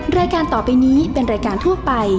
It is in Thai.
แม่บ้านมันจำปัน